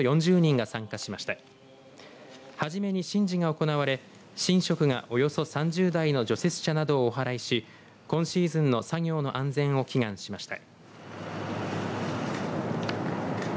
はじめに神事が行われ神職が、およそ３０台の除雪車などをおはらいし今シーズンの作業の安全を祈願しました。